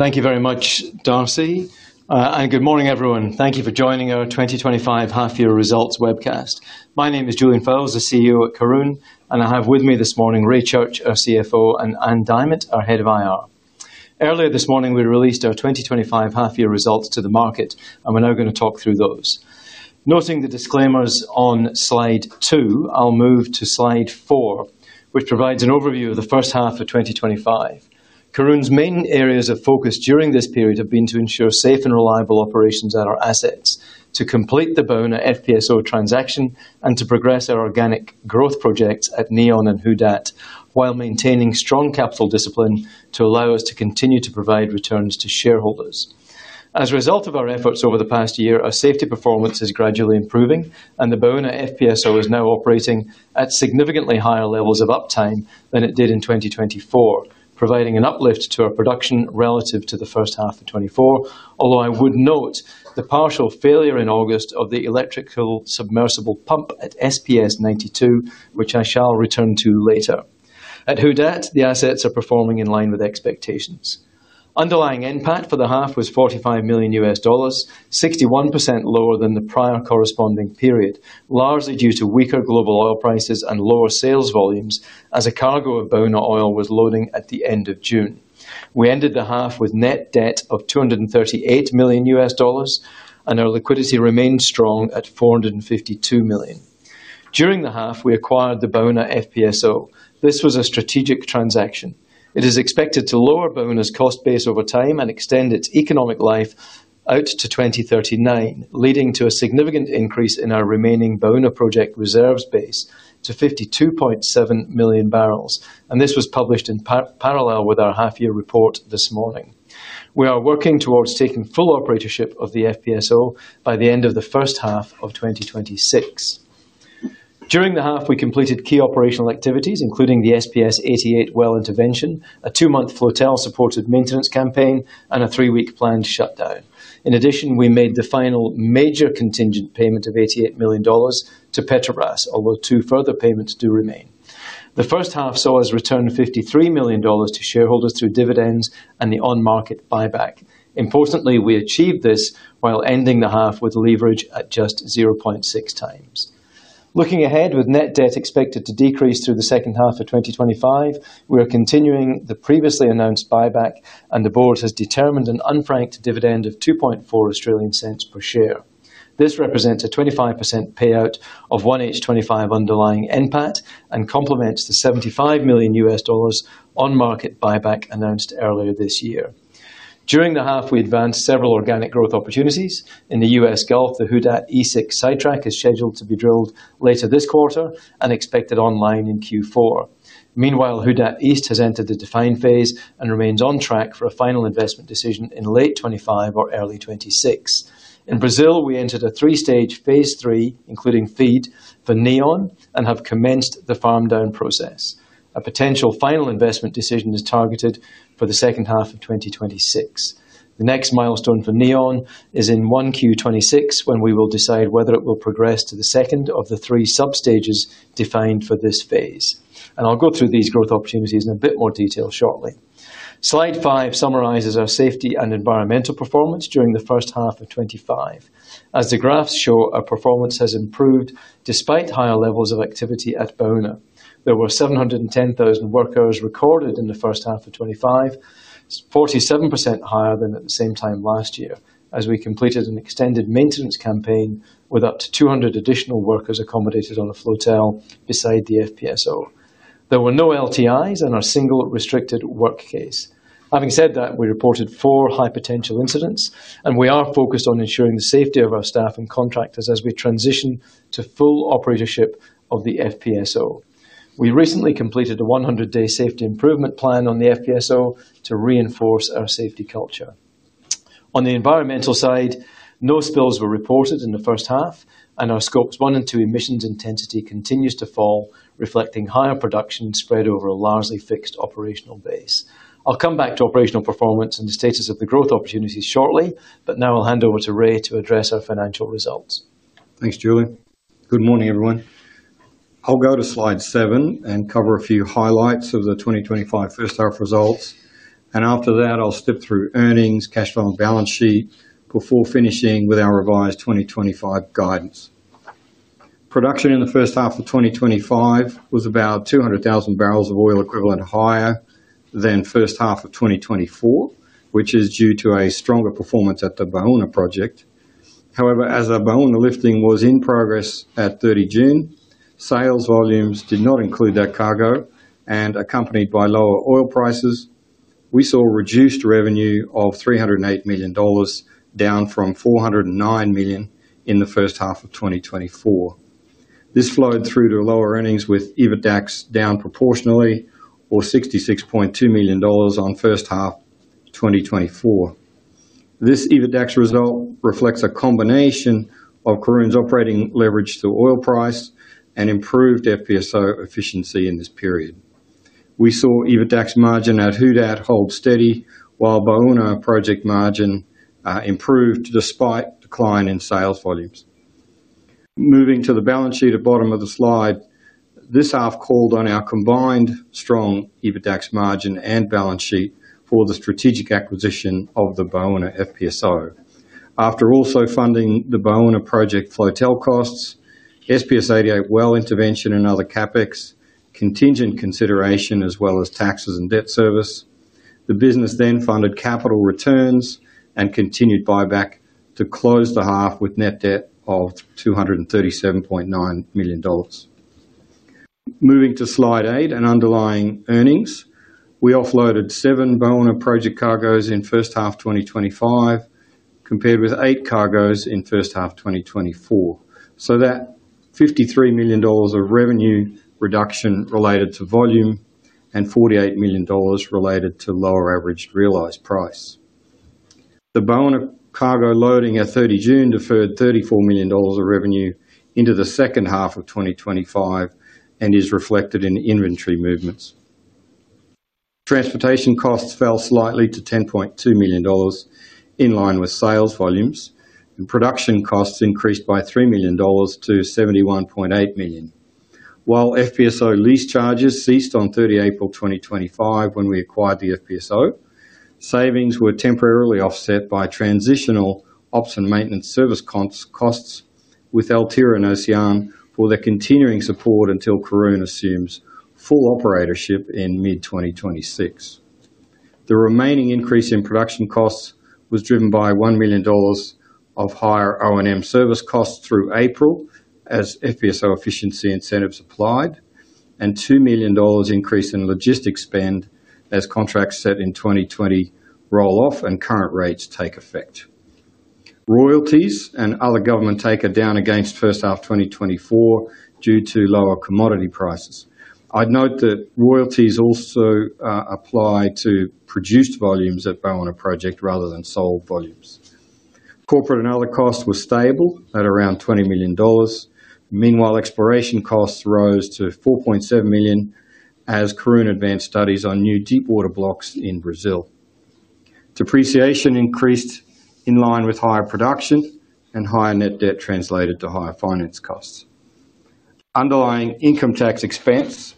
Thank you very much, Darcy, and good morning, everyone. Thank you for joining our 2025 Half-Year Results webcast. My name is Julian Fowles, the CEO at Karoon, and I have with me this morning Ray Church, our CFO, and Ann Diamant, our Head of IR. Earlier this morning, we released our 2025 Half-Year Results to the market, and we're now going to talk through those. Noting the disclaimers on slide two, I'll move to slide four, which provides an overview of the first half of 2025. Karoon's main areas of focus during this period have been to ensure safe and reliable operations at our assets, to complete the Baúna FPSO transaction, and to progress our organic growth projects at Neon and Who Dat, while maintaining strong capital discipline to allow us to continue to provide returns to shareholders. As a result of our efforts over the past year, our safety performance is gradually improving, and the Baúna FPSO is now operating at significantly higher levels of uptime than it did in 2024, providing an uplift to our production relative to the first half of 2024, although I would note the partial failure in August of the electrical submersible pump at SPS 92, which I shall return to later. At Who Dat, the assets are performing in line with expectations. Underlying impact for the half was $45 million, 61% lower than the prior corresponding period, largely due to weaker global oil prices and lower sales volumes as a cargo of Baúna oil was loading at the end of June. We ended the half with net debt of $238 million, and our liquidity remained strong at $452 million. During the half, we acquired the Baúna FPSO. This was a strategic transaction. It is expected to lower Baúna's cost base over time and extend its economic life out to 2039, leading to a significant increase in our remaining Baúna project reserves base to 52.7 million barrels, and this was published in parallel with our half-year report this morning. We are working towards taking full operatorship of the FPSO by the end of the first half of 2026. During the half, we completed key operational activities, including the SPS 88 well intervention, a two-month flotile supported maintenance campaign, and a three-week planned shutdown. In addition, we made the final major contingent payment of $88 million to Petrobras, although two further payments do remain. The first half saw us return $53 million to shareholders through dividends and the on-market buyback. Importantly, we achieved this while ending the half with leverage at just 0.6 times. Looking ahead, with net debt expected to decrease through the second half of 2025, we are continuing the previously announced buyback, and the board has determined an unfranked dividend of $0.024 per share. This represents a 25% payout of 1H25 underlying impact and complements the $75 million on-market buyback announced earlier this year. During the half, we advanced several organic growth opportunities. In the U.S. Gulf, the Who Dat East Six sidetrack is scheduled to be drilled later this quarter and expected online in Q4. Meanwhile, Who Dat East has entered the define phase and remains on track for a final investment decision in late 2025 or early 2026. In Brazil, we entered a three-stage phase three, including FEED, for Neon and have commenced the farm down process. A potential final investment decision is targeted for the second half of 2026. The next milestone for Neon is in 1Q26, when we will decide whether it will progress to the second of the three substages defined for this phase. I'll go through these growth opportunities in a bit more detail shortly. Slide five summarizes our safety and environmental performance during the first half of 2025. As the graphs show, our performance has improved despite higher levels of activity at Baúna. There were 710,000 work hours recorded in the first half of 2025, 47% higher than at the same time last year, as we completed an extended maintenance campaign with up to 200 additional workers accommodated on a flotel beside the FPSO. There were no LTIs and a single restricted work case. Having said that, we reported four high potential incidents, and we are focused on ensuring the safety of our staff and contractors as we transition to full operatorship of the FPSO. We recently completed a 100-day safety improvement plan on the FPSO to reinforce our safety culture. On the environmental side, no spills were reported in the first half, and our Scopes 1 and 2 emissions intensity continues to fall, reflecting higher production spread over a largely fixed operational base. I'll come back to operational performance and the status of the growth opportunities shortly, but now I'll hand over to Ray to address our financial results. Thanks, Julie. Good morning, everyone. I'll go to slide seven and cover a few highlights of the 2025 first half results. After that, I'll sift through earnings, cash flow, and balance sheet before finishing with our revised 2025 guidance. Production in the first half of 2025 was about 200,000 barrels of oil equivalent higher than the first half of 2024, which is due to a stronger performance at the Baúna project. However, as our Baúna lifting was in progress at 30 June, sales volumes did not include that cargo, and accompanied by lower oil prices, we saw reduced revenue of $308 million, down from $409 million in the first half of 2024. This flowed through to lower earnings with EBITDA down proportionally, or $66.2 million on the first half of 2024. This EBITDA result reflects a combination of Karoon's operating leverage through oil price and improved Baúna FPSO efficiency in this period. We saw EBITDA margin at Who Dat hold steady, while Baúna project margin improved despite a decline in sales volumes. Moving to the balance sheet at the bottom of the slide, this half called on our combined strong EBITDA margin and balance sheet for the strategic acquisition of the Baúna FPSO. After also funding the Baúna project flotilla costs, SPS 92 well intervention and other CapEx, contingent consideration, as well as taxes and debt service, the business then funded capital returns and continued buyback to close the half with net debt of $237.9 million. Moving to slide eight and underlying earnings, we offloaded seven Baúna project cargoes in the first half of 2025, compared with eight cargoes in the first half of 2024. That's $53 million of revenue reduction related to volume and $48 million related to lower average realized price. The Baúna cargo loading at 30 June deferred $34 million of revenue into the second half of 2025 and is reflected in inventory movements. Transportation costs fell slightly to $10.2 million in line with sales volumes, and production costs increased by $3 million to $71.8 million. While Baúna FPSO lease charges ceased on 30 April 2025 when we acquired the FPSO, savings were temporarily offset by transitional ops and maintenance service costs with Altera and Ocyan for their continuing support until Karoon assumes full operatorship in mid-2026. The remaining increase in production costs was driven by $1 million of higher O&M service costs through April as Baúna FPSO efficiency incentives applied, and $2 million increase in logistics spend as contracts set in 2020 roll off and current rates take effect. Royalties and other government take are down against the first half of 2024 due to lower commodity prices. I'd note that royalties also apply to produced volumes at Baúna project rather than sold volumes. Corporate and other costs were stable at around $20 million. Meanwhile, exploration costs rose to $4.7 million as Karoon advanced studies on new deep water blocks in Brazil. Depreciation increased in line with higher production and higher net debt translated to higher finance costs. Underlying income tax expense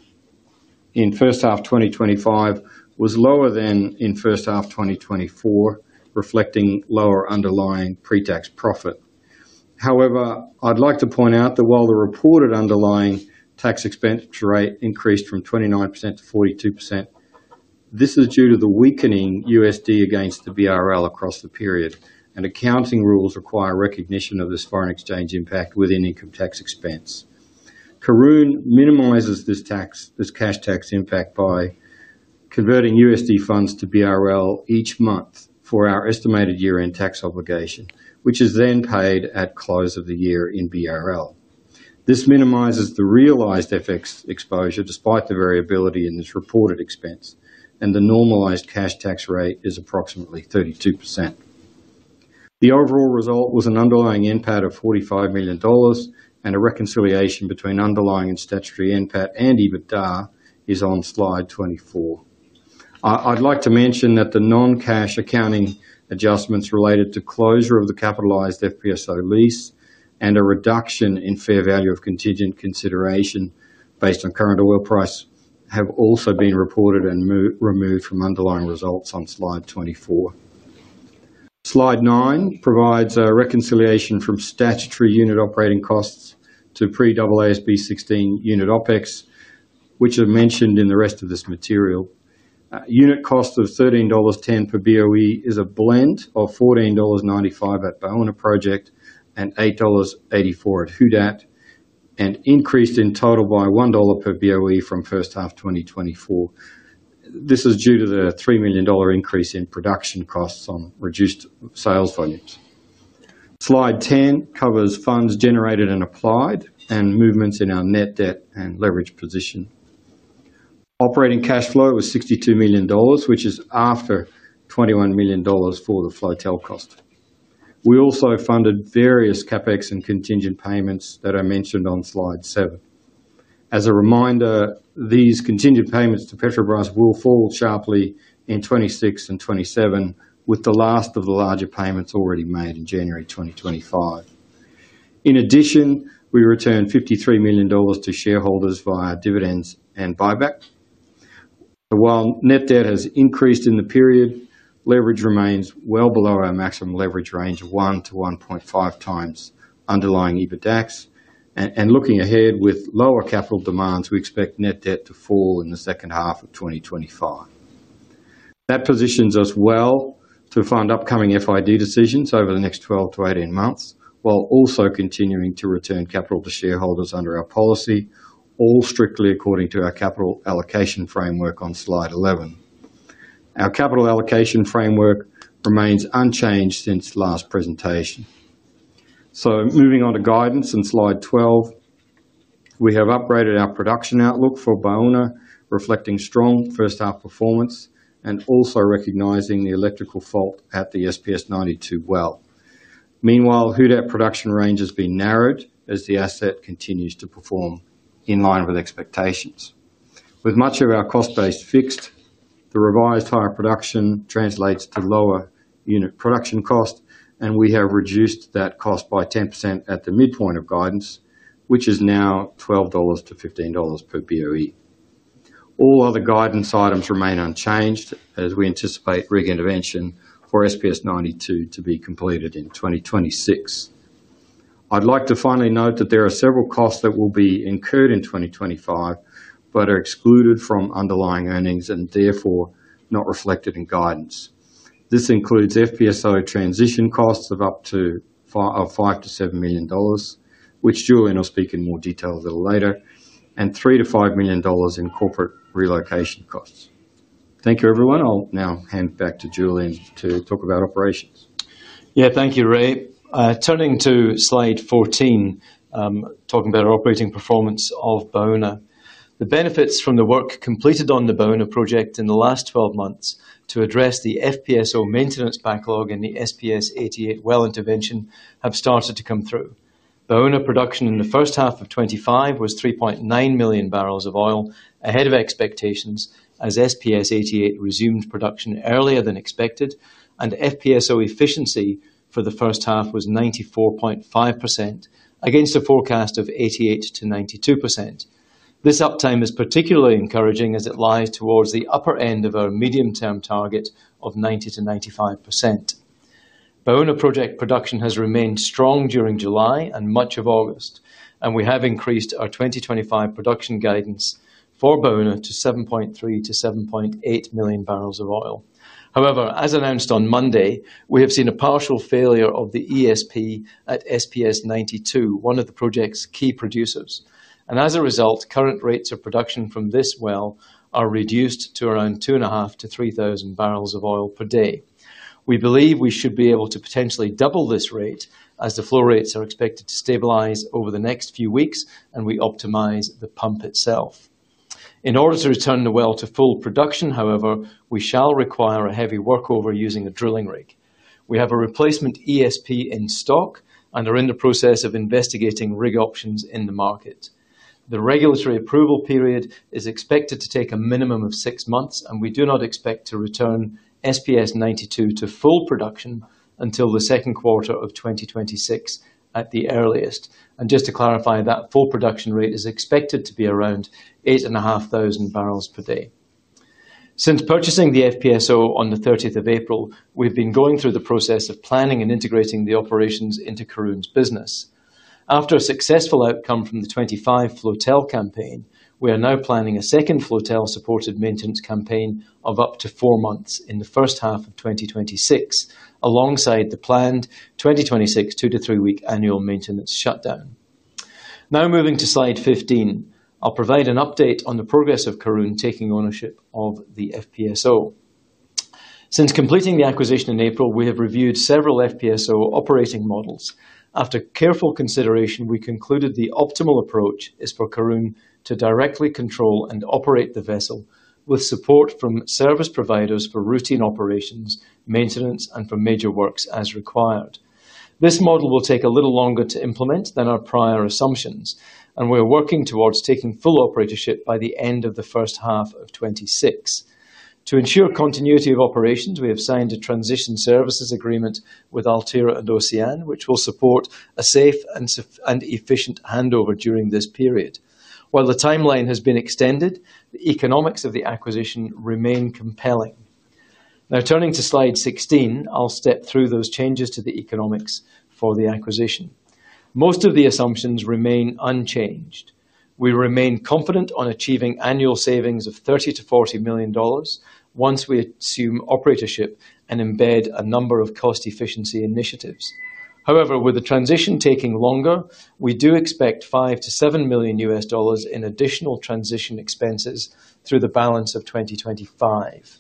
in the first half of 2025 was lower than in the first half of 2024, reflecting lower underlying pre-tax profit. However, I'd like to point out that while the reported underlying tax expense rate increased from 29% to 42%, this is due to the weakening USD against the BRL across the period, and accounting rules require recognition of this foreign exchange impact within income tax expense. Karoon minimizes this cash tax impact by converting USD funds to BRL each month for our estimated year-end tax obligation, which is then paid at the close of the year in BRL. This minimizes the realized FX exposure despite the variability in this reported expense, and the normalized cash tax rate is approximately 32%. The overall result was an underlying impact of $45 million, and a reconciliation between underlying and statutory impact and EBITDA is on slide 24. I'd like to mention that the non-cash accounting adjustments related to closure of the capitalized FPSO lease and a reduction in fair value of contingent consideration based on current oil price have also been reported and removed from underlying results on slide 24. Slide nine provides a reconciliation from statutory unit operating costs to pre-AASB 16 unit OPEX, which are mentioned in the rest of this material. Unit costs of $13.10 per BOE is a blend of $14.95 at Baúna project and $8.84 at Who Dat, and increased in total by $1 per BOE from first half 2024. This is due to the $3 million increase in production costs on reduced sales volumes. Slide 10 covers funds generated and applied and movements in our net debt and leverage position. Operating cash flow was $62 million, which is after $21 million for the flotile cost. We also funded various CapEx and contingent payments that are mentioned on slide seven. As a reminder, these contingent payments to Petrobras will fall sharply in 2026 and 2027, with the last of the larger payments already made in January 2025. In addition, we returned $53 million to shareholders via dividends and buyback. While net debt has increased in the period, leverage remains well below our maximum leverage range of 1 to 1.5 times underlying EBITDAX. Looking ahead, with lower capital demands, we expect net debt to fall in the second half of 2025. That positions us well to fund upcoming FID decisions over the next 12 to 18 months, while also continuing to return capital to shareholders under our policy, all strictly according to our capital allocation framework on slide 11. Our capital allocation framework remains unchanged since last presentation. Moving on to guidance on slide 12, we have upgraded our production outlook for Baúna, reflecting strong first half performance and also recognizing the electrical fault at the SPS 92 well. Meanwhile, Who Dat production range has been narrowed as the asset continues to perform in line with expectations. With much of our cost base fixed, the revised higher production translates to lower unit production cost, and we have reduced that cost by 10% at the midpoint of guidance, which is now $12-$15 per BOE. All other guidance items remain unchanged as we anticipate rig intervention for SPS 92 to be completed in 2026. I'd like to finally note that there are several costs that will be incurred in 2025 but are excluded from underlying earnings and therefore not reflected in guidance. This includes FPSO transition costs of up to $5 million-$7 million, which Julian will speak in more detail a little later, and $3 million-$5 million in corporate relocation costs. Thank you, everyone. I'll now hand back to Julian to talk about operations. Yeah, thank you, Ray. Turning to slide 14, talking about operating performance of Baúna. The benefits from the work completed on the Baúna project in the last 12 months to address the Baúna FPSO maintenance backlog and the SPS 88 well intervention have started to come through. Baúna production in the first half of 2025 was 3.9 million barrels of oil, ahead of expectations, as SPS 88 resumed production earlier than expected, and FPSO efficiency for the first half was 94.5% against a forecast of 88%-92%. This uptime is particularly encouraging as it lies towards the upper end of our medium-term target of 90%- 95%. Baúna project production has remained strong during July and much of August, and we have increased our 2025 production guidance for Baúna to 7.3 million-7.8 million barrels of oil. However, as announced on Monday, we have seen a partial failure of the ESP at SPS 92, one of the project's key producers. As a result, current rates of production from this well are reduced to around 2,500-3,000 barrels of oil per day. We believe we should be able to potentially double this rate as the flow rates are expected to stabilize over the next few weeks and we optimize the pump itself. In order to return the well to full production, however, we shall require a heavy workover using a drilling rig. We have a replacement ESP in stock and are in the process of investigating rig options in the market. The regulatory approval period is expected to take a minimum of six months, and we do not expect to return SPS 92 to full production until the second quarter of 2026 at the earliest. Just to clarify, that full production rate is expected to be around 8,500 barrels per day. Since purchasing the FPSO on the 30th of April, we've been going through the process of planning and integrating the operations into Karoon's business. After a successful outcome from the 2025 flotile campaign, we are now planning a second flotile-supported maintenance campaign of up to four months in the first half of 2026, alongside the planned 2026 two to three week annual maintenance shutdown. Now moving to slide 15, I'll provide an update on the progress of Karoon taking ownership of the FPSO. Since completing the acquisition in April, we have reviewed several FPSO operating models. After careful consideration, we concluded the optimal approach is for Karoon to directly control and operate the vessel with support from service providers for routine operations, maintenance, and for major works as required. This model will take a little longer to implement than our prior assumptions, and we're working towards taking full operatorship by the end of the first half of 2026. To ensure continuity of operations, we have signed a transition services agreement with Altera and Ocyan, which will support a safe and efficient handover during this period. While the timeline has been extended, the economics of the acquisition remain compelling. Now turning to slide 16, I'll step through those changes to the economics for the acquisition. Most of the assumptions remain unchanged. We remain confident on achieving annual savings of $30 million-$40 million once we assume operatorship and embed a number of cost efficiency initiatives. However, with the transition taking longer, we do expect $5 million-$7 million in additional transition expenses through the balance of 2025.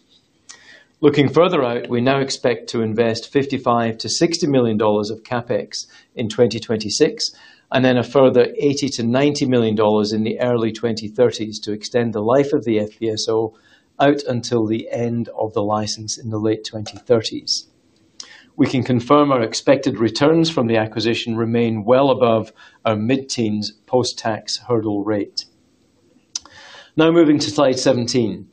Looking further out, we now expect to invest $55-$60 million of CapEx in 2026 and then a further $80 million-$90 million in the early 2030s to extend the life of the FPSO out until the end of the license in the late 2030s. We can confirm our expected returns from the acquisition remain well above our mid-teens post-tax hurdle rate. Now moving to slide 17.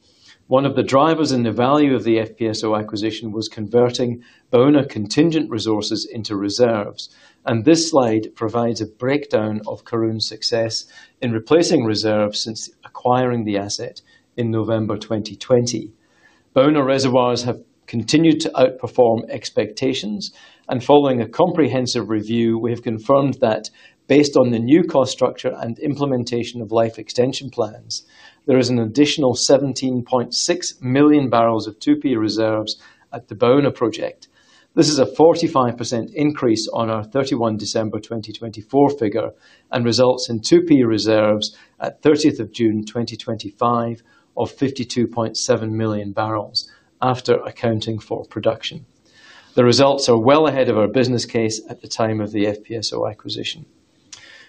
One of the drivers in the value of the FPSO acquisition was converting Baúna contingent resources into reserves, and this slide provides a breakdown of Karoon's success in replacing reserves since acquiring the asset in November 2020. Baúna reservoirs have continued to outperform expectations, and following a comprehensive review, we have confirmed that based on the new cost structure and implementation of life extension plans, there is an additional 17.6 million barrels of 2P reserves at the Baúna project. This is a 45% increase on our 31 December 2024 figure and results in 2P reserves at 30 June 2025 of 52.7 million barrels after accounting for production. The results are well ahead of our business case at the time of the FPSO acquisition.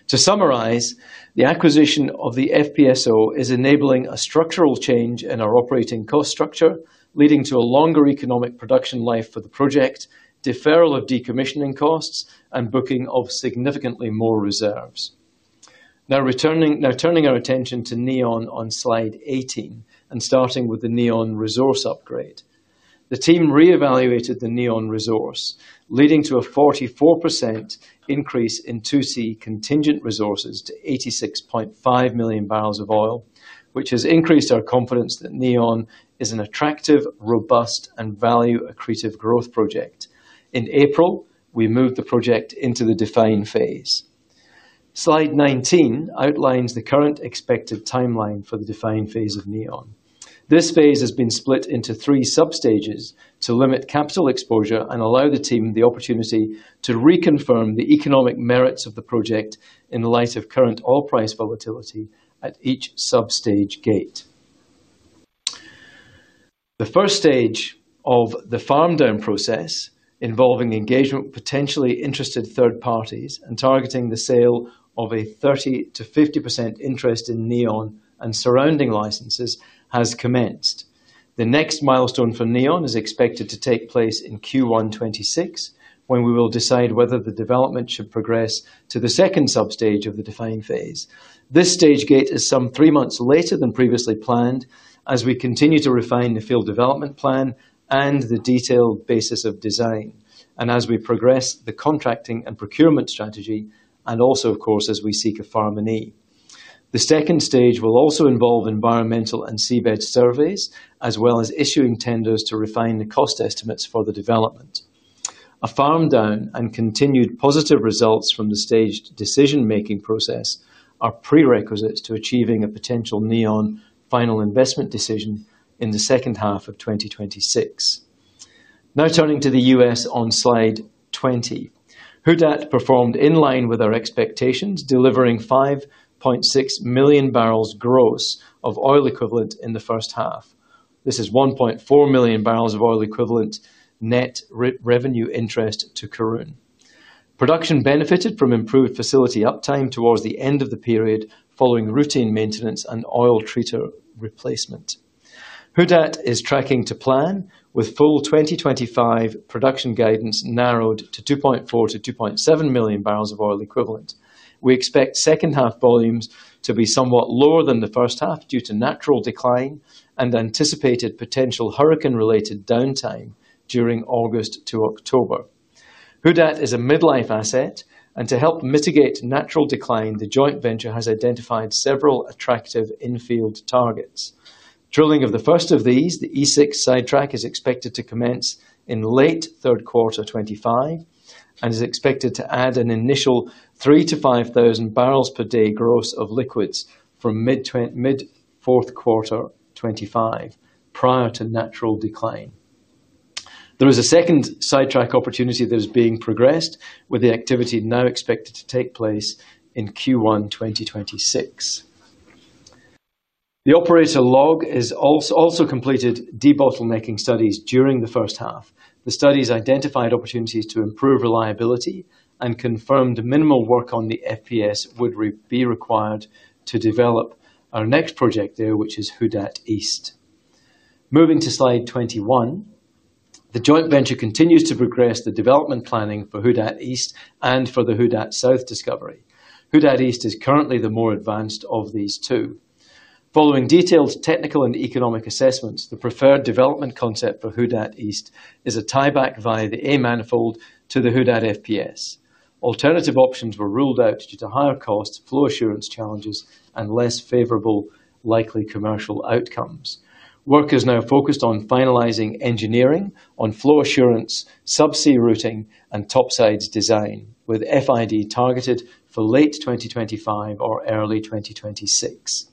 To summarize, the acquisition of the FPSO is enabling a structural change in our operating cost structure, leading to a longer economic production life for the project, deferral of decommissioning costs, and booking of significantly more reserves. Now turning our attention to Neon on slide 18 and starting with the Neon resource upgrade. The team reevaluated the Neon resource, leading to a 44% increase in 2C contingent resources to 86.5 million barrels of oil, which has increased our confidence that Neon is an attractive, robust, and value accretive growth project. In April, we moved the project into the define phase. Slide 19 outlines the current expected timeline for the define phase of Neon. This phase has been split into three substages to limit capital exposure and allow the team the opportunity to reconfirm the economic merits of the project in light of current oil price volatility at each substage gate. The first stage of the farm down process, involving engagement of potentially interested third parties and targeting the sale of a 30%-50% interest in Neon and surrounding licenses, has commenced. The next milestone for Neon is expected to take place in Q1 2026, when we will decide whether the development should progress to the second substage of the define phase. This stage gate is some three months later than previously planned as we continue to refine the field development plan and the detailed basis of design, and as we progress the contracting and procurement strategy, and also, of course, as we seek a farminee. The second stage will also involve environmental and seabed surveys, as well as issuing tenders to refine the cost estimates for the development. A farm down and continued positive results from the staged decision-making process are prerequisites to achieving a potential Neon final investment decision in the second half of 2026. Now turning to the U.S. on slide 20. Who Dat performed in line with our expectations, delivering 5.6 million barrels gross of oil equivalent in the first half. This is 1.4 million barrels of oil equivalent net revenue interest to Karoon. Production benefited from improved facility uptime towards the end of the period following routine maintenance and oil treater replacement. Who Dat is tracking to plan, with full 2025 production guidance narrowed to 2.4 million-2.7 million barrels of oil equivalent. We expect second half volumes to be somewhat lower than the first half due to natural decline and anticipated potential hurricane-related downtime during August to October. Who Dat is a midlife asset, and to help mitigate natural decline, the joint venture has identified several attractive infield targets. Drilling of the first of these, the E6 sidetrack, is expected to commence in late third quarter 2025 and is expected to add an initial 3,000-5,000 barrels per day gross of liquids from mid-fourth quarter 2025, prior to natural decline. There is a second sidetrack opportunity that is being progressed, with the activity now expected to take place in Q1 2026. The operator has also completed debottlenecking studies during the first half. The studies identified opportunities to improve reliability and confirmed minimal work on the FPSO would be required to develop our next project there, which is Who Dat East. Moving to slide 21, the joint venture continues to progress the development planning for Who Dat East and for the Who Dat South discovery. Who Dat East is currently the more advanced of these two. Following detailed technical and economic assessments, the preferred development concept for Who Dat East is a tieback via the A manifold to the Who Dat FPSO. Alternative options were ruled out due to higher costs, flow assurance challenges, and less favorable likely commercial outcomes. Work is now focused on finalizing engineering on flow assurance, subsea routing, and topsides design, with FID targeted for late 2025 or early 2026.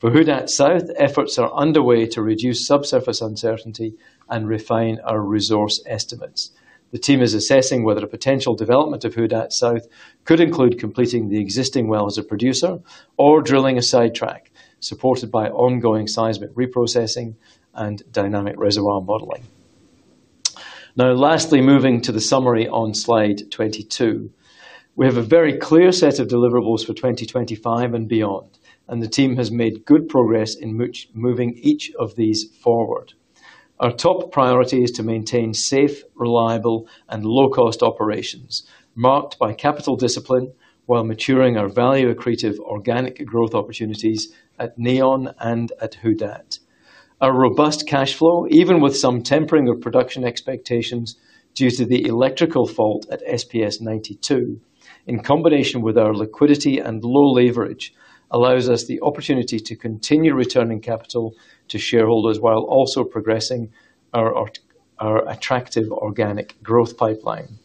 For Who Dat South, efforts are underway to reduce subsurface uncertainty and refine our resource estimates. The team is assessing whether a potential development of Who Dat South could include completing the existing well as a producer or drilling a sidetrack, supported by ongoing seismic reprocessing and dynamic reservoir modeling. Now, lastly, moving to the summary on slide 22, we have a very clear set of deliverables for 2025 and beyond, and the team has made good progress in moving each of these forward. Our top priority is to maintain safe, reliable, and low-cost operations, marked by capital discipline while maturing our value accretive organic growth opportunities at Neon and at Who Dat. Our robust cash flow, even with some tempering of production expectations due to the electrical fault at SPS 92, in combination with our liquidity and low leverage, allows us the opportunity to continue returning capital to shareholders while also progressing our attractive organic growth pipeline.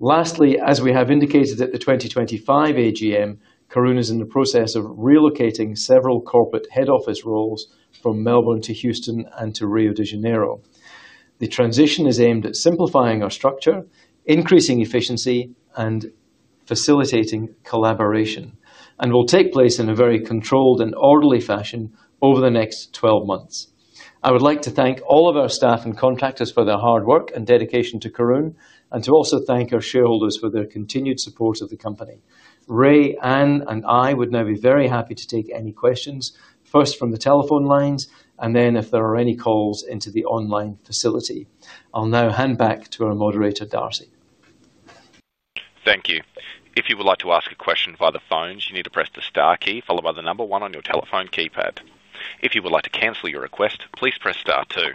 Lastly, as we have indicated at the 2025 AGM, Karoon Energy Ltd is in the process of relocating several corporate head office roles from Melbourne to Houston and to Rio de Janeiro. The transition is aimed at simplifying our structure, increasing efficiency, and facilitating collaboration, and will take place in a very controlled and orderly fashion over the next 12 months. I would like to thank all of our staff and contractors for their hard work and dedication to Karoon, and to also thank our shareholders for their continued support of the company. Ray, Ann, and I would now be very happy to take any questions, first from the telephone lines and then if there are any calls into the online facility. I'll now hand back to our moderator, Darcy. Thank you. If you would like to ask a question via the phones, you need to press the star key followed by the number one on your telephone keypad. If you would like to cancel your request, please press star two.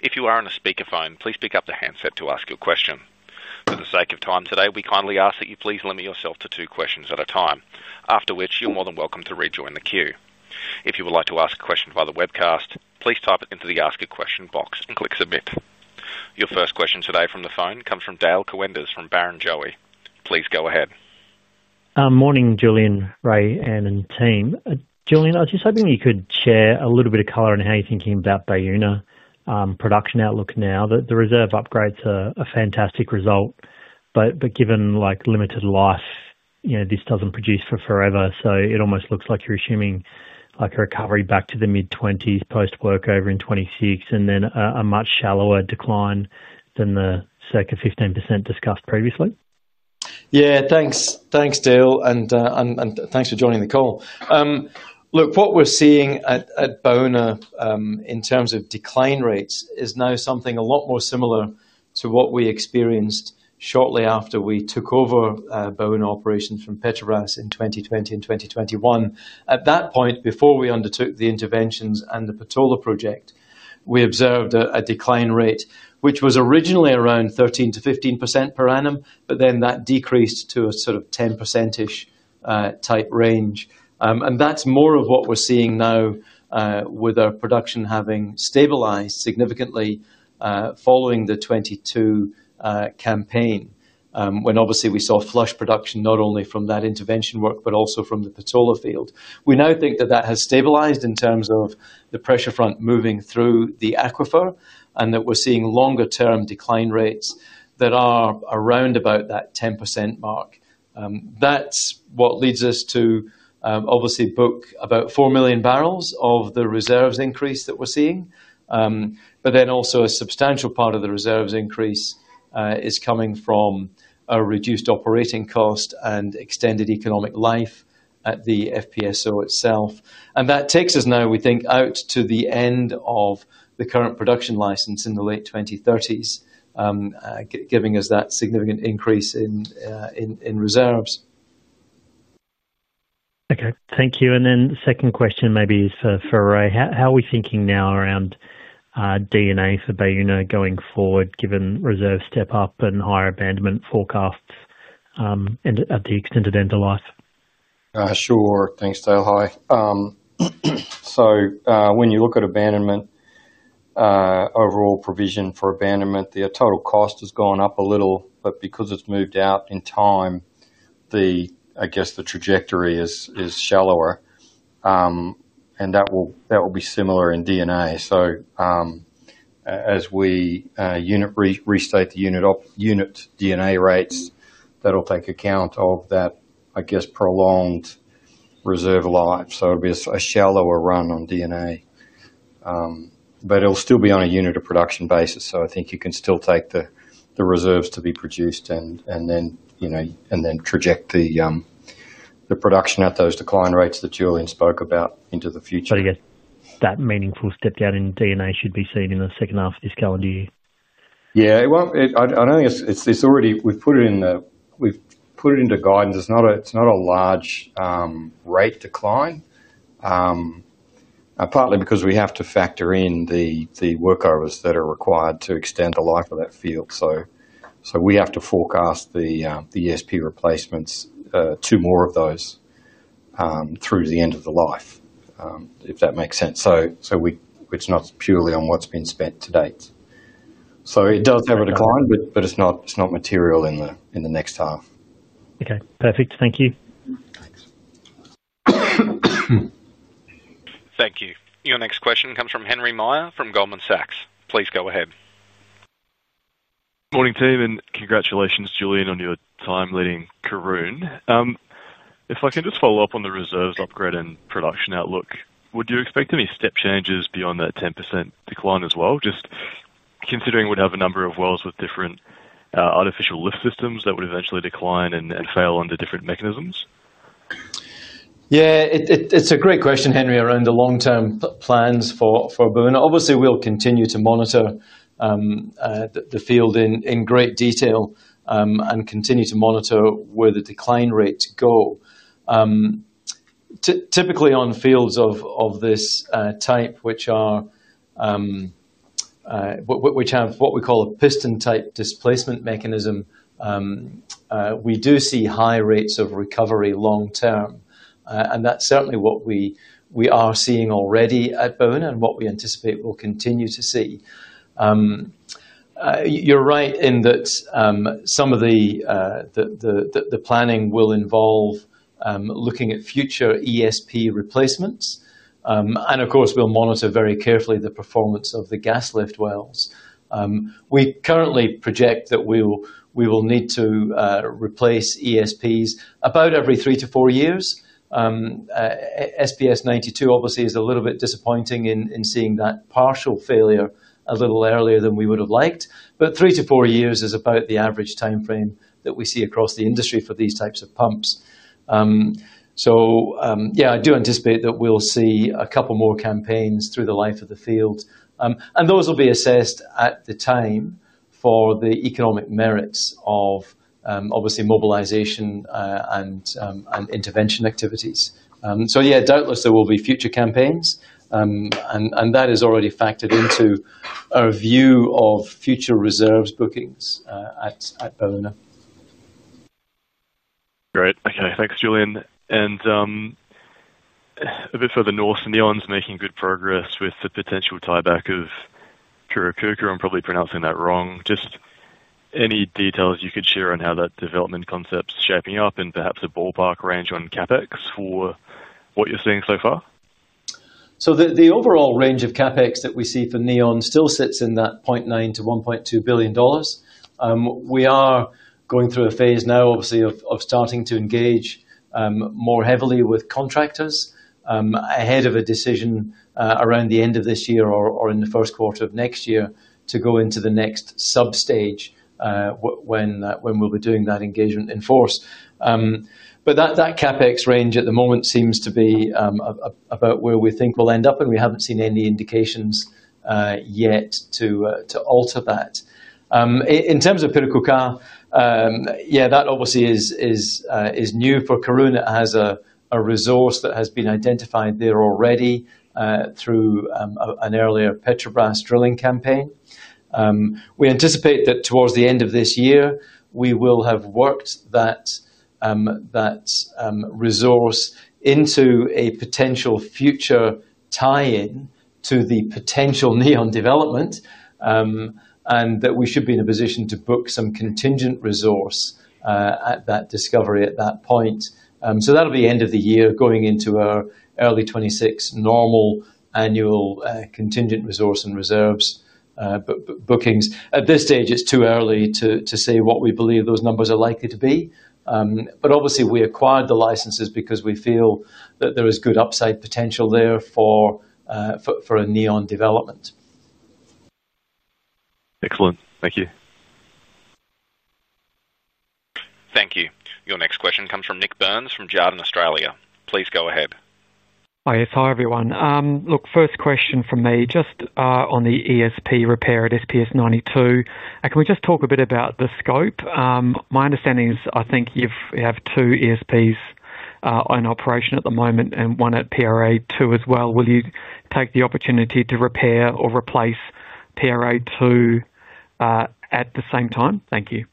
If you are on a speakerphone, please pick up the handset to ask your question. For the sake of time today, we kindly ask that you please limit yourself to two questions at a time, after which you're more than welcome to rejoin the queue. If you would like to ask a question via the webcast, please type it into the ask a question box and click submit. Your first question today from the phone comes from Dale Johannes Koenders from Barrenjoey Markets Pty Limited. Please go ahead. Morning, Julian, Ray, Ann, and team. Julian, I was just hoping you could share a little bit of color on how you're thinking about Baúna production outlook now. The reserve upgrades are a fantastic result, but given like limited life, you know this doesn't produce for forever, so it almost looks like you're assuming like a recovery back to the mid-20s post-workover in 2026, and then a much shallower decline than the circa 15% discussed previously. Yeah, thanks. Thanks, Dale, and thanks for joining the call. Look, what we're seeing at Baúna in terms of decline rates is now something a lot more similar to what we experienced shortly after we took over Baúna operations from Petrobras in 2020 and 2021. At that point, before we undertook the interventions and the Patola project, we observed a decline rate which was originally around 13%-15% per annum, but then that decreased to a sort of 10%-ish type range. That's more of what we're seeing now with our production having stabilized significantly following the 2022 campaign, when obviously we saw flush production not only from that intervention work but also from the Patola field. We now think that that has stabilized in terms of the pressure front moving through the aquifer and that we're seeing longer-term decline rates that are around about that 10% mark. That's what leads us to obviously book about 4 million barrels of the reserves increase that we're seeing, but also a substantial part of the reserves increase is coming from a reduced operating cost and extended economic life at the Baúna FPSO itself. That takes us now, we think, out to the end of the current production license in the late 2030s, giving us that significant increase in reserves. Okay, thank you. The second question maybe is for Ray. How are we thinking now around abandonment provisions for Baúna going forward, given reserve step up and higher abandonment forecasts at the extended end of life? Sure, thanks, Dale. Hi. When you look at abandonment, overall provision for abandonment, the total cost has gone up a little, but because it's moved out in time, I guess the trajectory is shallower. That will be similar in DNA. As we restate the unit DNA rates, that'll take account of that, I guess, prolonged reserve life. It'll be a shallower run on DNA. It'll still be on a unit of production basis, so I think you can still take the reserves to be produced and then traject the production at those decline rates that Julian spoke about into the future. I guess that meaningful step down in D&A should be seen in the second half of this calendar year. I don't think it's already, we've put it in the, we've put it into guidance. It's not a large rate decline, partly because we have to factor in the work hours that are required to extend the life of that field. We have to forecast the ESP replacements to more of those through the end of the life, if that makes sense. It's not purely on what's been spent to date. It does have a decline, but it's not material in the next half. Okay, perfect. Thank you. Thank you. Your next question comes from Henry Meyer from Goldman Sachs. Please go ahead. Morning team and congratulations, Julian, on your time leading Karoon. If I can just follow up on the reserves upgrade and production outlook, would you expect any step changes beyond that 10% decline as well, just considering we'd have a number of wells with different artificial lift systems that would eventually decline and fail under different mechanisms? Yeah, it's a great question, Henry. Around the long-term plans for Baúna, obviously we'll continue to monitor the field in great detail and continue to monitor where the decline rates go. Typically on fields of this type, which have what we call a piston-type displacement mechanism, we do see high rates of recovery long term. That's certainly what we are seeing already at Baúna and what we anticipate we'll continue to see. You're right in that some of the planning will involve looking at future ESP replacements. Of course, we'll monitor very carefully the performance of the gas lift wells. We currently project that we will need to replace ESPs about every three to four years. SPS 92 obviously is a little bit disappointing in seeing that partial failure a little earlier than we would have liked. Three to four years is about the average timeframe that we see across the industry for these types of pumps. I do anticipate that we'll see a couple more campaigns through the life of the field, and those will be assessed at the time for the economic merits of mobilization and intervention activities. Doubtless there will be future campaigns, and that is already factored into our view of future reserves bookings at Baúna. Great. Okay, thanks Julian. A bit further north, Neon's making good progress with the potential tieback of Piracucá. I'm probably pronouncing that wrong. Just any details you could share on how that development concept's shaping up, and perhaps a ballpark range on CapEx for what you're seeing so far? The overall range of CapEx that we see for Neon still sits in that $0.9 to $1.2 billion. We are going through a phase now, obviously, of starting to engage more heavily with contractors ahead of a decision around the end of this year or in the first quarter of next year to go into the next substage when we'll be doing that engagement in force. That CapEx range at the moment seems to be about where we think we'll end up, and we haven't seen any indications yet to alter that. In terms of Piracucá, that obviously is new for Karoon. It has a resource that has been identified there already through an earlier Petrobras drilling campaign. We anticipate that towards the end of this year, we will have worked that resource into a potential future tie-in to the potential Neon development and that we should be in a position to book some contingent resource at that discovery at that point. That'll be the end of the year going into our early 2026 normal annual contingent resource and reserves bookings. At this stage, it's too early to say what we believe those numbers are likely to be. Obviously, we acquired the licenses because we feel that there is good upside potential there for a Neon development. Excellent. Thank you. Thank you. Your next question comes from Nik Burns from Jarden Limited, Australia. Please go ahead. Hi, everyone. First question from me, just on the ESP repair at SPS 92. Can we just talk a bit about the scope? My understanding is I think you have two ESPs in operation at the moment and one at PRA2 as well. Will you take the opportunity to repair or replace PRA2 at the same time? Thank you.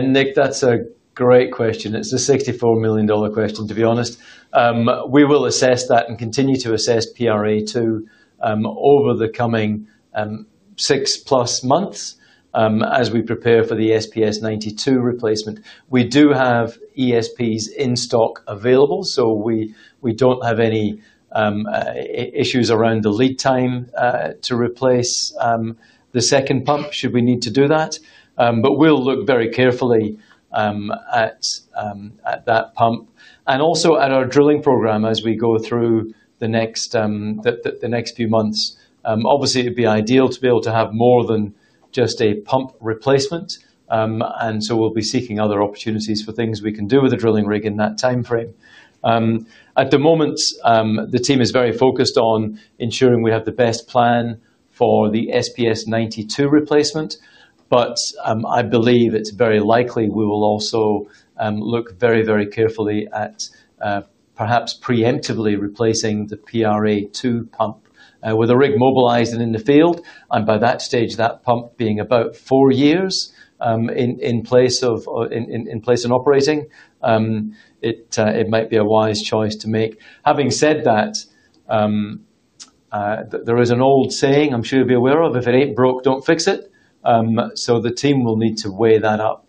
Nick, that's a great question. It's a $64 million question, to be honest. We will assess that and continue to assess PRA2 over the coming six plus months as we prepare for the SPS 92 replacement. We do have ESPs in stock available, so we don't have any issues around the lead time to replace the second pump should we need to do that. We'll look very carefully at that pump and also at our drilling program as we go through the next few months. Obviously, it'd be ideal to be able to have more than just a pump replacement, and we will be seeking other opportunities for things we can do with a drilling rig in that timeframe. At the moment, the team is very focused on ensuring we have the best plan for the SPS 92 replacement. I believe it's very likely we will also look very, very carefully at perhaps preemptively replacing the PRA2 pump with a rig mobilized and in the field. By that stage, that pump being about four years in place and operating, it might be a wise choice to make. Having said that, there is an old saying I'm sure you'll be aware of: if it ain't broke, don't fix it. The team will need to weigh that up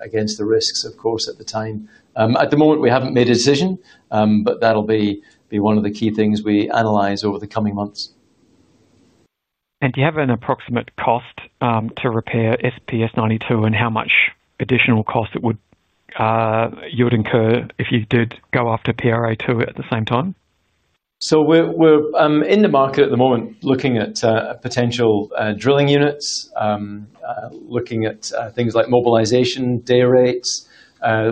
against the risks, of course, at the time. At the moment, we haven't made a decision, but that'll be one of the key things we analyze over the coming months. Do you have an approximate cost to repair SPS 92, and how much additional cost you would incur if you did go after PRA2 at the same time? We're in the market at the moment looking at potential drilling units, looking at things like mobilization day rates,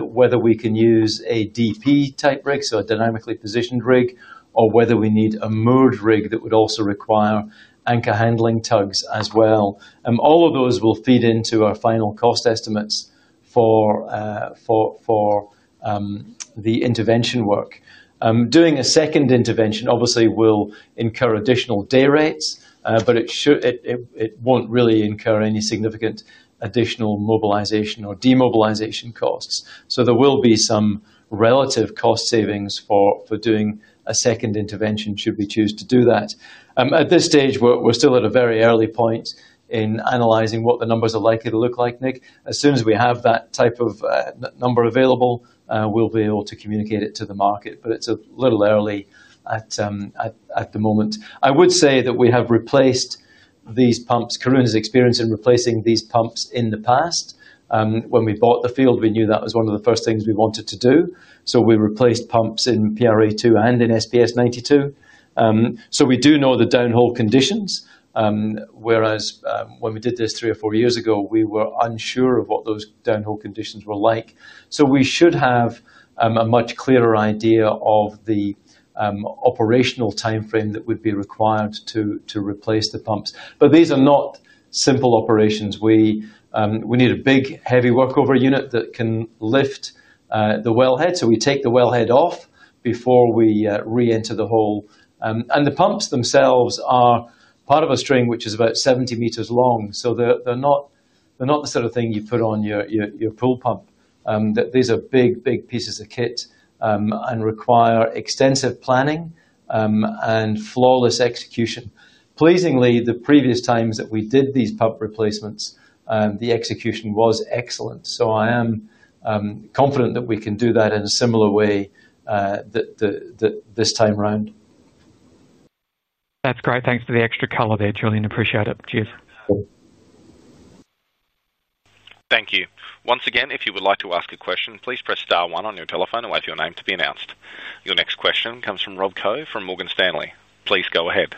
whether we can use a DP type rig, so a dynamically positioned rig, or whether we need a move rig that would also require anchor handling tugs as well. All of those will feed into our final cost estimates for the intervention work. Doing a second intervention obviously will incur additional day rates, but it won't really incur any significant additional mobilization or demobilization costs. There will be some relative cost savings for doing a second intervention should we choose to do that. At this stage, we're still at a very early point in analyzing what the numbers are likely to look like, Nik. As soon as we have that type of number available, we'll be able to communicate it to the market, but it's a little early at the moment. I would say that we have replaced these pumps. Karoon's experience in replacing these pumps in the past. When we bought the field, we knew that was one of the first things we wanted to do. We replaced pumps in PRA2 and in SPS 92. We do know the downhill conditions, whereas when we did this three or four years ago, we were unsure of what those downhill conditions were like. We should have a much clearer idea of the operational timeframe that would be required to replace the pumps. These are not simple operations. We need a big heavy workover unit that can lift the wellhead, so we take the wellhead off before we reenter the hole. The pumps themselves are part of a string which is about 70 m long, so they're not the sort of thing you put on your pool pump. These are big, big pieces of kit and require extensive planning and flawless execution. Pleasingly, the previous times that we did these pump replacements, the execution was excellent. I am confident that we can do that in a similar way this time around. That's great. Thanks for the extra color there, Julian. Appreciate it. Cheers. Thank you. Once again, if you would like to ask a question, please press star one on your telephone and wait for your name to be announced. Your next question comes from Robert Koh from Morgan Stanley. Please go ahead.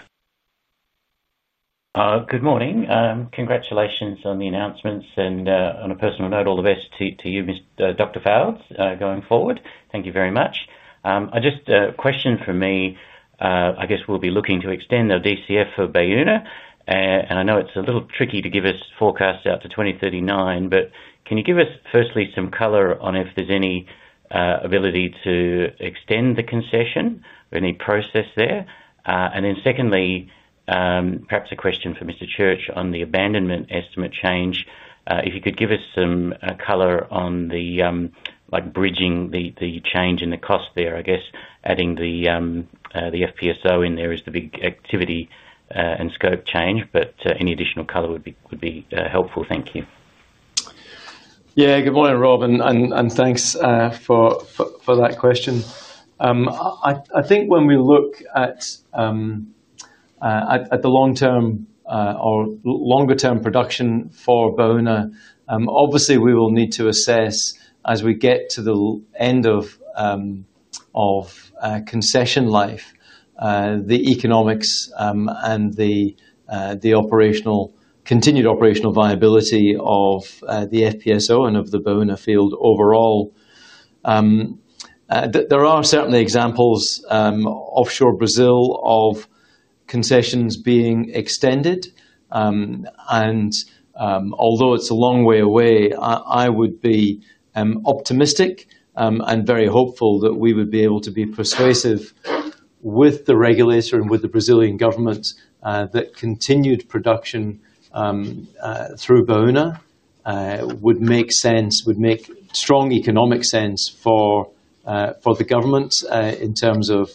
Good morning. Congratulations on the announcements and on a personal note, all the best to you, Dr. Fowles, going forward. Thank you very much. I just have a question for me. I guess we'll be looking to extend our DCF for Baúna, and I know it's a little tricky to give us forecasts out to 2039, but can you give us firstly some color on if there's any ability to extend the concession or any process there? Secondly, perhaps a question for Mr. Church on the abandonment estimate change. If you could give us some color on bridging the change in the cost there, I guess adding the Baúna FPSO in there is the big activity and scope change, but any additional color would be helpful. Thank you. Yeah, good morning, Rob, and thanks for that question. I think when we look at the long-term or longer-term production for Baúna, obviously we will need to assess as we get to the end of concession life, the economics and the continued operational viability of the Baúna FPSO and of the Baúna field overall. There are certainly examples offshore Brazil of concessions being extended, and although it's a long way away, I would be optimistic and very hopeful that we would be able to be persuasive with the regulator and with the Brazilian government that continued production through Baúna would make sense, would make strong economic sense for the government in terms of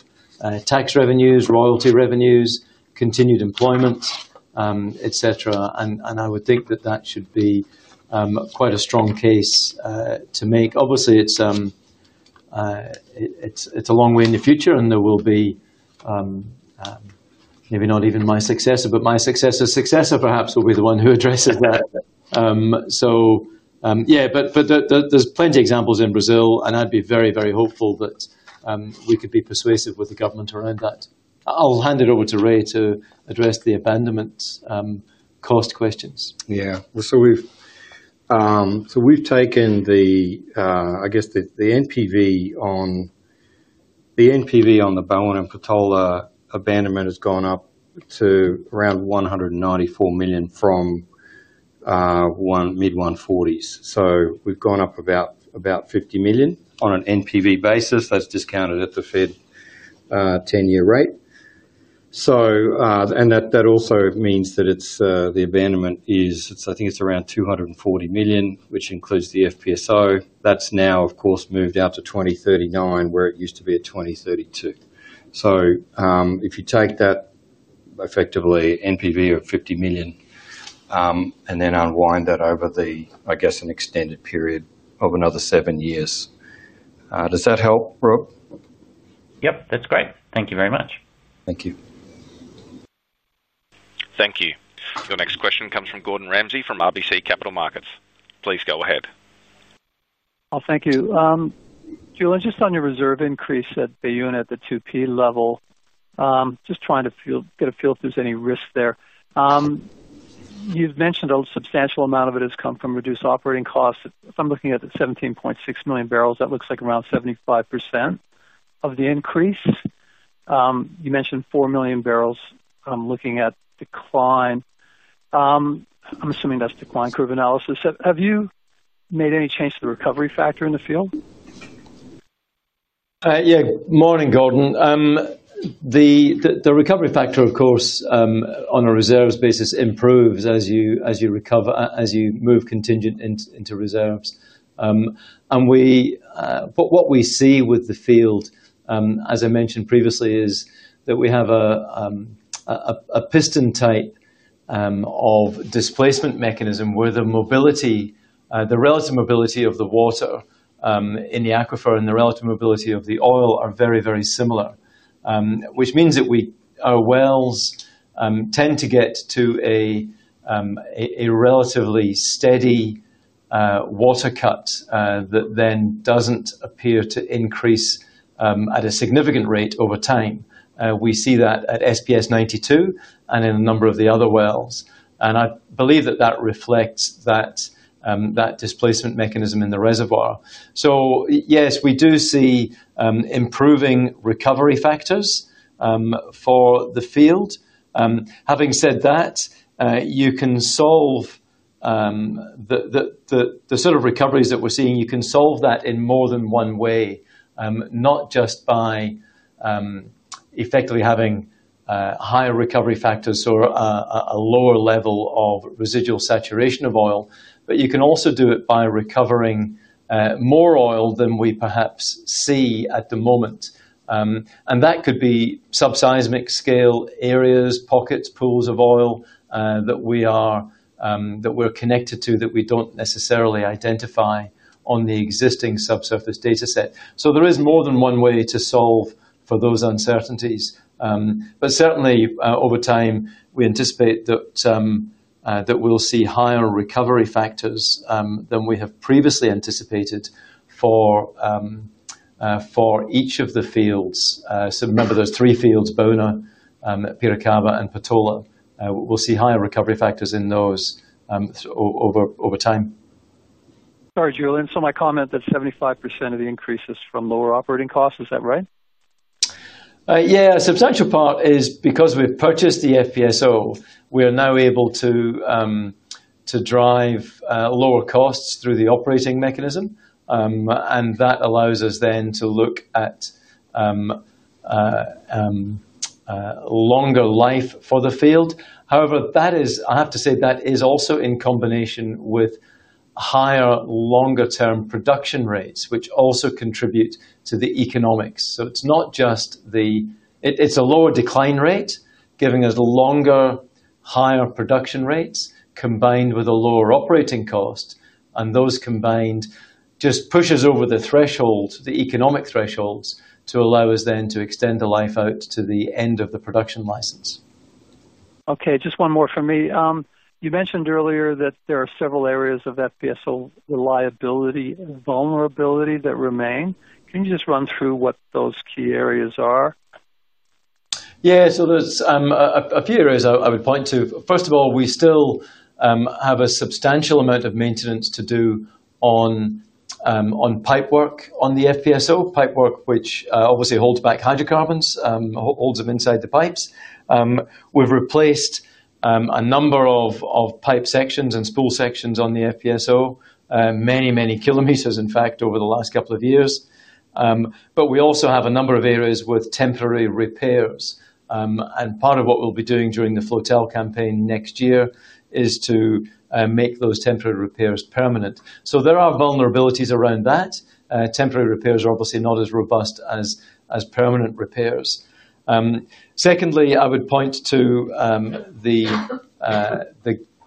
tax revenues, royalty revenues, continued employment, etc. I would think that that should be quite a strong case to make. Obviously, it's a long way in the future and there will be maybe not even my successor, but my successor's successor perhaps will be the one who addresses that. There are plenty of examples in Brazil and I'd be very, very hopeful that we could be persuasive with the government around that. I'll hand it over to Ray to address the abandonment cost questions. Yeah, so we've taken the, I guess, the NPV on the Baúna and Patola abandonment has gone up to around $194 million from mid-$140s. We've gone up about $50 million on an NPV basis that's discounted at the Fed 10-year rate. That also means that the abandonment is, I think it's around $240 million, which includes the Baúna FPSO. That's now, of course, moved out to 2039, where it used to be at 2032. If you take that effectively NPV of $50 million and then unwind that over, I guess, an extended period of another seven years, does that help, Rob? Yep, that's great. Thank you very much. Thank you. Thank you. Your next question comes from Gordon Ramsay from RBC Capital Markets. Please go ahead. Oh, thank you. Julian, just on your reserve increase at Baúna at the 2P level, just trying to get a feel if there's any risk there. You've mentioned a substantial amount of it has come from reduced operating costs. If I'm looking at the 17.6 million barrels, that looks like around 75% of the increase. You mentioned 4 million barrels. I'm looking at decline. I'm assuming that's decline curve analysis. Have you made any change to the recovery factor in the field? Yeah, morning, Gordon. The recovery factor, of course, on a reserves basis improves as you move contingent into reserves. What we see with the field, as I mentioned previously, is that we have a piston type of displacement mechanism where the relative mobility of the water in the aquifer and the relative mobility of the oil are very, very similar, which means that our wells tend to get to a relatively steady water cut that then doesn't appear to increase at a significant rate over time. We see that at SPS 92 and in a number of the other wells, and I believe that reflects that displacement mechanism in the reservoir. Yes, we do see improving recovery factors for the field. Having said that, you can solve the sort of recoveries that we're seeing in more than one way, not just by effectively having higher recovery factors or a lower level of residual saturation of oil, but you can also do it by recovering more oil than we perhaps see at the moment. That could be sub-seismic scale areas, pockets, pools of oil that we're connected to that we don't necessarily identify on the existing subsurface dataset. There is more than one way to solve for those uncertainties. Certainly, over time, we anticipate that we'll see higher recovery factors than we have previously anticipated for each of the fields. Remember, there's three fields: Baúna, Piracaba, and Patola. We'll see higher recovery factors in those over time. Julian, so my comment that 75% of the increase is from lower operating costs, is that right? Yeah, a substantial part is because we've purchased the Baúna FPSO, we're now able to drive lower costs through the operating mechanism, and that allows us then to look at longer life for the field. However, that is, I have to say, that is also in combination with higher longer-term production rates, which also contribute to the economics. It's not just the, it's a lower decline rate giving us longer, higher production rates combined with a lower operating cost, and those combined just push us over the thresholds, the economic thresholds, to allow us then to extend the life out to the end of the production license. Okay, just one more for me. You mentioned earlier that there are several areas of FPSO reliability and vulnerability that remain. Can you just run through what those key areas are? Yeah, so there's a few areas I would point to. First of all, we still have a substantial amount of maintenance to do on pipework on the Baúna FPSO, pipework which obviously holds back hydrocarbons, holds them inside the pipes. We've replaced a number of pipe sections and spool sections on the Baúna FPSO, many, many km, in fact, over the last couple of years. We also have a number of areas with temporary repairs, and part of what we'll be doing during the flotile campaign next year is to make those temporary repairs permanent. There are vulnerabilities around that. Temporary repairs are obviously not as robust as permanent repairs. Secondly, I would point to the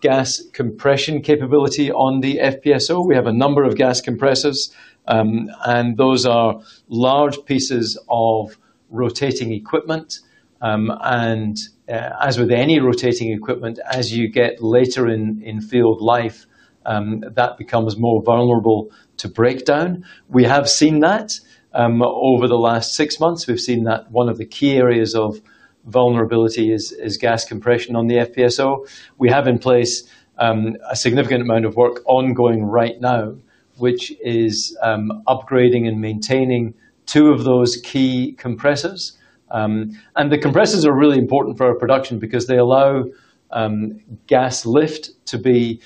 gas compression capability on the Baúna FPSO. We have a number of gas compressors, and those are large pieces of rotating equipment. As with any rotating equipment, as you get later in field life, that becomes more vulnerable to breakdown. We have seen that over the last six months. We've seen that one of the key areas of vulnerability is gas compression on the Baúna FPSO. We have in place a significant amount of work ongoing right now, which is upgrading and maintaining two of those key compressors. The compressors are really important for our production because they allow gas lift to be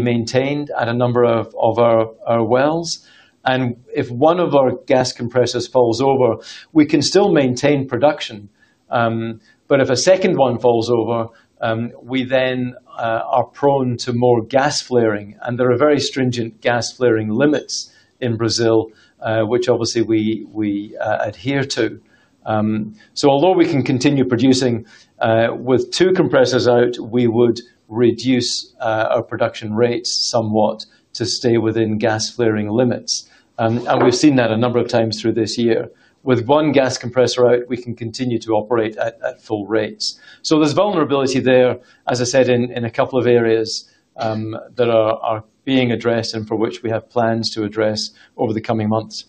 maintained at a number of our wells. If one of our gas compressors falls over, we can still maintain production. If a second one falls over, we then are prone to more gas flaring, and there are very stringent gas flaring limits in Brazil, which obviously we adhere to. Although we can continue producing with two compressors out, we would reduce our production rates somewhat to stay within gas flaring limits. We've seen that a number of times through this year. With one gas compressor out, we can continue to operate at full rates. There's vulnerability there, as I said, in a couple of areas that are being addressed and for which we have plans to address over the coming months.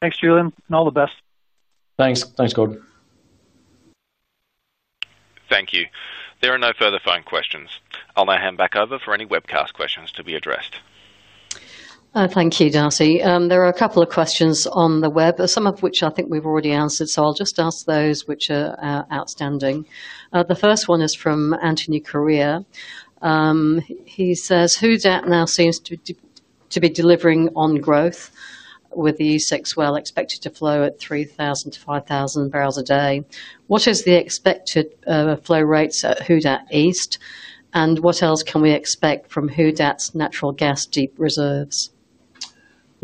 Thanks, Julian, and all the best. Thanks, thanks, Gordon. Thank you. There are no further phone questions. I'll now hand back over for any webcast questions to be addressed. Thank you, Darcy. There are a couple of questions on the web, some of which I think we've already answered, so I'll just ask those which are outstanding. The first one is from Anthony Correa. He says, "Who Dat now seems to be delivering on growth with the E6 well expected to flow at 3,000-5,000 barrels a day. What is the expected flow rates at Who Dat East? And what else can we expect from Who Dat's natural gas deep reserves?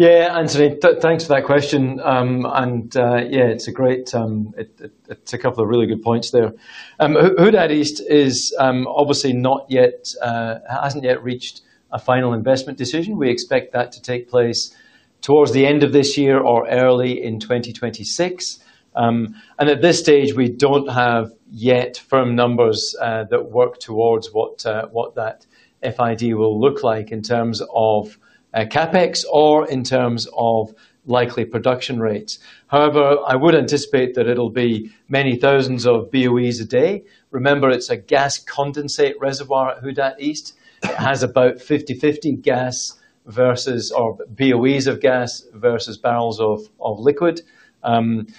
Yeah, Anthony, thanks for that question. Yeah, it's a great, it's a couple of really good points there. Who Dat East is obviously not yet, hasn't yet reached a final investment decision. We expect that to take place towards the end of this year or early in 2026. At this stage, we don't have yet firm numbers that work towards what that FID will look like in terms of CapEx or in terms of likely production rates. However, I would anticipate that it'll be many thousands of BOEs a day. Remember, it's a gas condensate reservoir at Who Dat East. It has about 50-50 gas versus or BOEs of gas versus barrels of liquid. It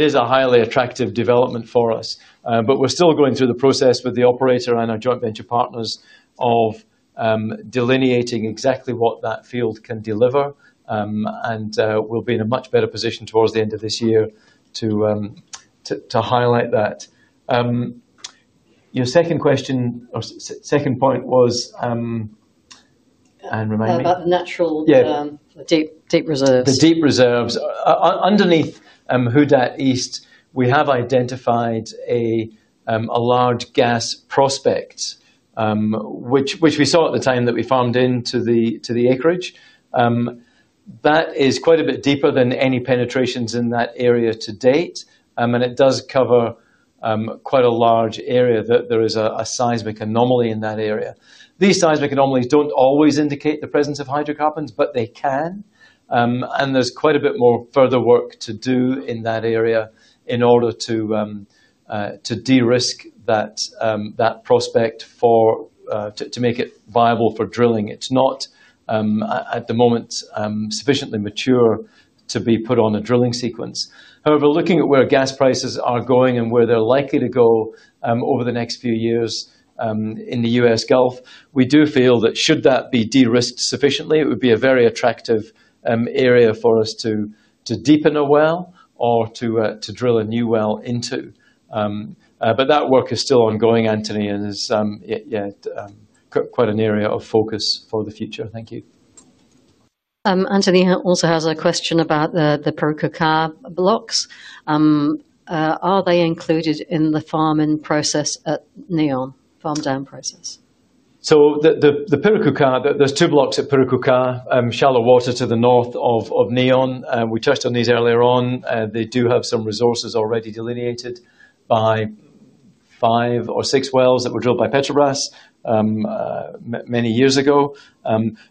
is a highly attractive development for us. We're still going through the process with the operator and our joint venture partners of delineating exactly what that field can deliver. We'll be in a much better position towards the end of this year to highlight that. Your second question, or second point was, and remind me. About the natural deep reserves. The deep reserves underneath Who Dat East, we have identified a large gas prospect, which we saw at the time that we farmed into the acreage. That is quite a bit deeper than any penetrations in that area to date, and it does cover quite a large area. There is a seismic anomaly in that area. These seismic anomalies don't always indicate the presence of hydrocarbons, but they can. There's quite a bit more further work to do in that area in order to de-risk that prospect to make it viable for drilling. It's not, at the moment, sufficiently mature to be put on a drilling sequence. However, looking at where gas prices are going and where they're likely to go over the next few years in the U.S. Gulf, we do feel that should that be de-risked sufficiently, it would be a very attractive area for us to deepen a well or to drill a new well into. That work is still ongoing, Anthony, and it's quite an area of focus for the future. Thank you. Anthony also has a question about the Piracucá blocks. Are they included in the farm down process at Neon? The Piracucá, there's two blocks at Piracucá, shallow water to the north of Neon. We touched on these earlier on. They do have some resources already delineated by five or six wells that were drilled by Petrobras many years ago.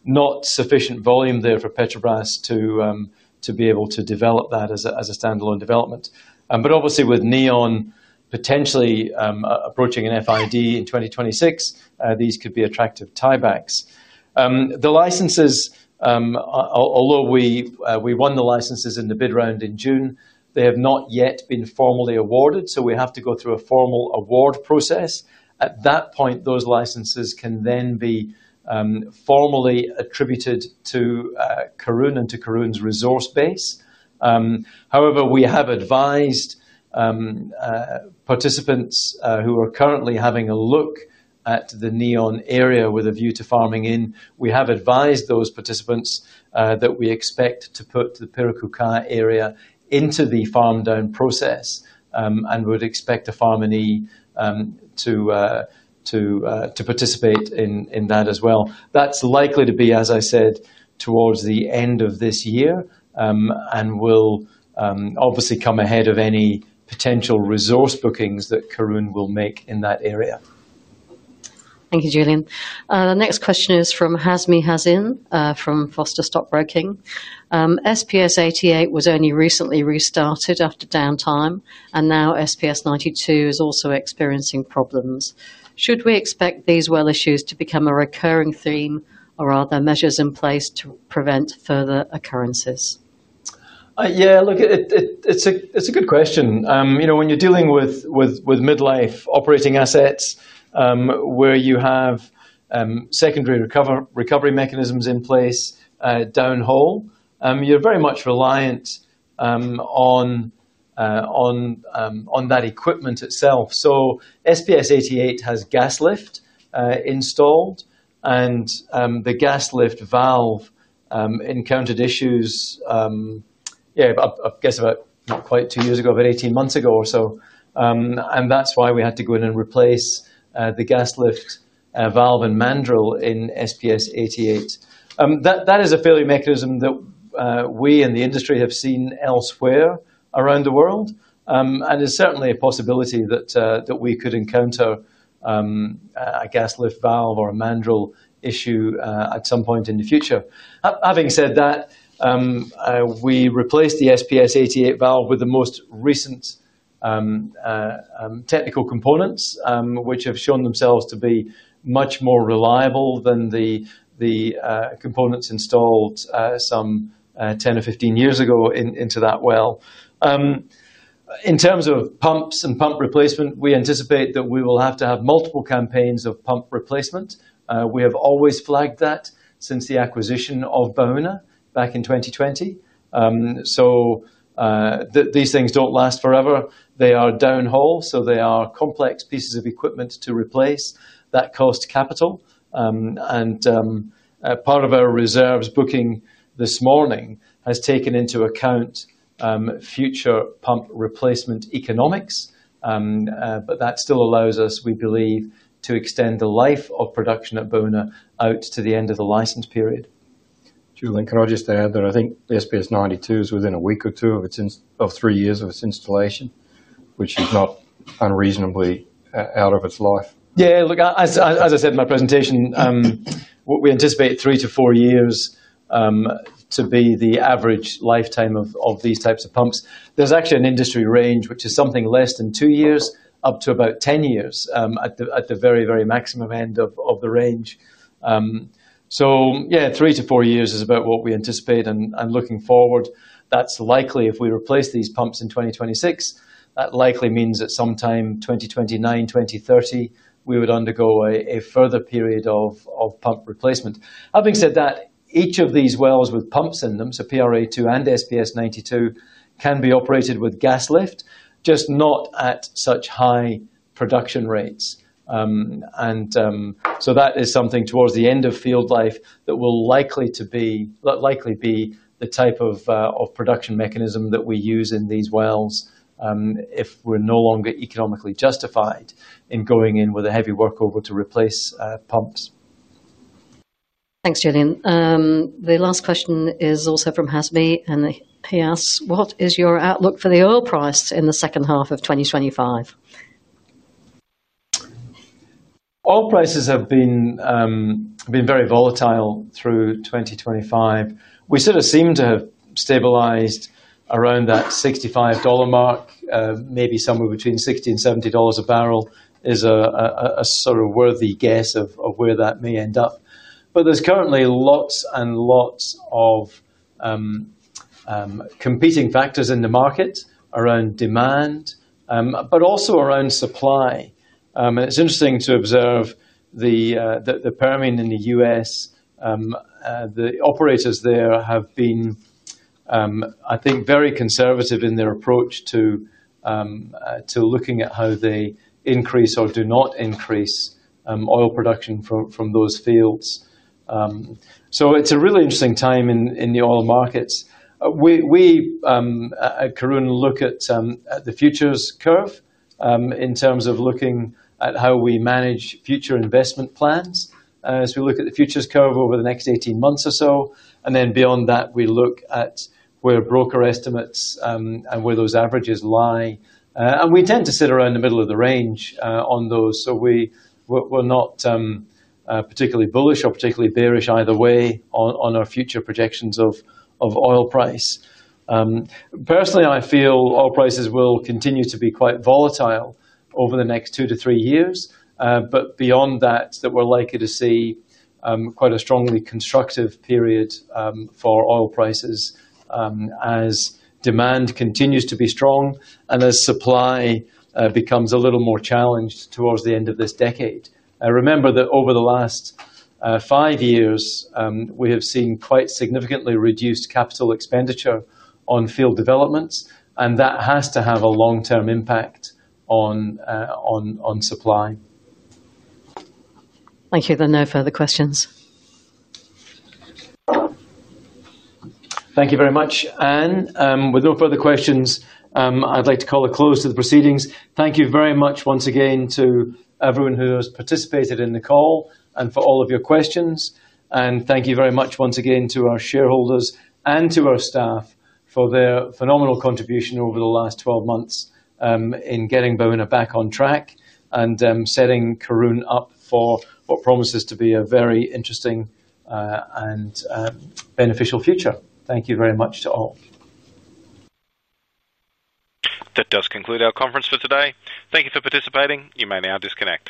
Not sufficient volume there for Petrobras to be able to develop that as a standalone development. Obviously, with Neon potentially approaching an FID in 2026, these could be attractive tiebacks. The licenses, although we won the licenses in the bid round in June, have not yet been formally awarded, so we have to go through a formal award process. At that point, those licenses can then be formally attributed to Karoon and to Karoon's resource base. However, we have advised participants who are currently having a look at the Neon area with a view to farming in, we have advised those participants that we expect to put the Piracucá area into the farm down process and would expect a farminee to participate in that as well. That's likely to be, as I said, towards the end of this year and will obviously come ahead of any potential resource bookings that Karoon will make in that area. Thank you, Julian. The next question is from Hasmy Hazin from Foster Stockbroking. SPS 88 was only recently restarted after downtime, and now SPS 92 is also experiencing problems. Should we expect these well issues to become a recurring theme, or are there measures in place to prevent further occurrences? Yeah, look, it's a good question. You know, when you're dealing with midlife operating assets where you have secondary recovery mechanisms in place downhole, you're very much reliant on that equipment itself. So SPS 88 has gas lift installed, and the gas lift valve encountered issues, I guess about not quite two years ago, about 18 months ago or so. That's why we had to go in and replace the gas lift valve and mandrel in SPS 88. That is a failure mechanism that we in the industry have seen elsewhere around the world and is certainly a possibility that we could encounter a gas lift valve or a mandrel issue at some point in the future. Having said that, we replaced the SPS 88 valve with the most recent technical components, which have shown themselves to be much more reliable than the components installed some 10 or 15 years ago into that well. In terms of pumps and pump replacement, we anticipate that we will have to have multiple campaigns of pump replacement. We have always flagged that since the acquisition of Baúna back in 2020. These things don't last forever. They are downhole, so they are complex pieces of equipment to replace that cost capital. Part of our reserves booking this morning has taken into account future pump replacement economics, but that still allows us, we believe, to extend the life of production at Baúna out to the end of the license period. Julian, can I just add that I think the SPS 92 is within a week or two of three years of its installation, which is not unreasonably out of its life. Yeah, look, as I said in my presentation, we anticipate three to four years to be the average lifetime of these types of pumps. There's actually an industry range, which is something less than two years up to about 10 years at the very, very maximum end of the range. Three to four years is about what we anticipate and looking forward. That's likely if we replace these pumps in 2026, that likely means that sometime 2029, 2030, we would undergo a further period of pump replacement. Having said that, each of these wells with pumps in them, so PRA2 and SPS 92, can be operated with gas lift, just not at such high production rates. That is something towards the end of field life that will likely be the type of production mechanism that we use in these wells if we're no longer economically justified in going in with a heavy workover to replace pumps. Thanks, Julian. The last question is also from Hasmi, and he asks, what is your outlook for the oil price in the second half of 2025? Oil prices have been very volatile through 2025. We sort of seem to have stabilized around that $65 mark. Maybe somewhere between $60 and $70 a barrel is a sort of worthy guess of where that may end up. There's currently lots and lots of competing factors in the market around demand, but also around supply. It's interesting to observe the Permian in the U.S. The operators there have been, I think, very conservative in their approach to looking at how they increase or do not increase oil production from those fields. It's a really interesting time in the oil markets. We, at Karoon, look at the futures curve in terms of looking at how we manage future investment plans. We look at the futures curve over the next 18 months or so, and then beyond that, we look at where broker estimates and where those averages lie. We tend to sit around the middle of the range on those, so we're not particularly bullish or particularly bearish either way on our future projections of oil price. Personally, I feel oil prices will continue to be quite volatile over the next two to three years, but beyond that, we're likely to see quite a strongly constructive period for oil prices as demand continues to be strong and as supply becomes a little more challenged towards the end of this decade. Remember that over the last five years, we have seen quite significantly reduced capital expenditure on field developments, and that has to have a long-term impact on supply. Thank you. There are no further questions. Thank you very much, Ann. With no further questions, I'd like to call a close to the proceedings. Thank you very much once again to everyone who has participated in the call and for all of your questions. Thank you very much once again to our shareholders and to our staff for their phenomenal contribution over the last 12 months in getting Baúna back on track and setting Karoon up for what promises to be a very interesting and beneficial future. Thank you very much to all. That does conclude our conference for today. Thank you for participating. You may now disconnect.